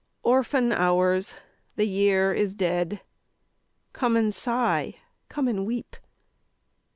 Orphan Hours, the Year is dead, Come and sigh, come and weep!